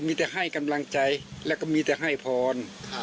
มีแต่ให้กำลังใจแล้วก็มีแต่ให้พร